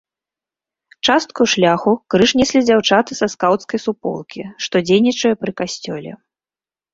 Частку шляху крыж неслі дзяўчаты са скаўцкай суполкі, што дзейнічае пры касцёле.